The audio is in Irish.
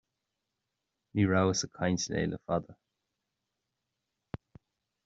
Ní rabhas ag caint léi le fada.